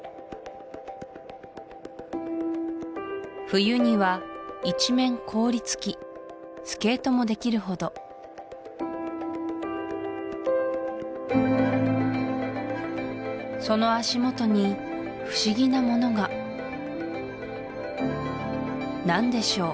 冬には一面凍りつきスケートもできるほどその足元に不思議なものが何でしょう